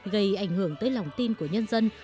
gây ảnh hưởng tới lòng tin của nhân dân